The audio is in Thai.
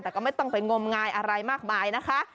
แต่ก็ไม่ต้องไปงมงายอะไรมากมายนะคะ